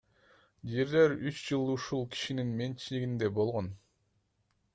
Жерлер үч жыл ушул кишинин менчигинде болгон.